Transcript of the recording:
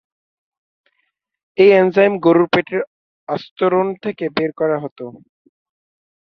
এই এনজাইম গরুর পেটের আস্তরণ থেকে বের করা হতো।